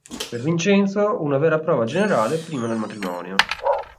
Per Vincenzo, una vera prova generale prima del matrimonio.